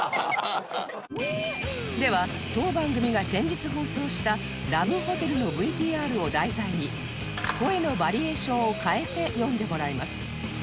では当番組が先日放送したラブホテルの ＶＴＲ を題材に声のバリエーションを変えて読んでもらいます